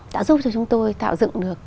đã giúp cho chúng tôi tạo dựng được